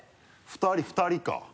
２人２人か。